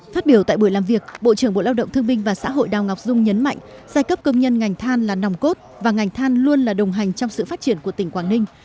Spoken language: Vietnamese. phát biểu tại buổi làm việc bộ trưởng bộ lao động thương minh và xã hội đào ngọc dung nhấn mạnh giai cấp công nhân ngành than là nòng cốt và ngành than luôn là đồng hành trong sự phát triển của tỉnh quảng ninh